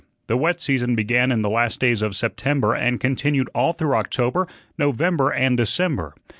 The wet season began in the last days of September and continued all through October, November, and December.